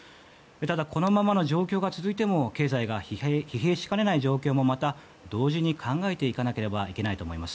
このままの状況が続いても経済が疲弊しかねない状況についても同時に考えていかなければいけないと思います。